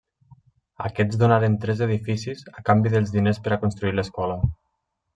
Aquests donaren tres edificis a canvi dels diners per a construir l'escola.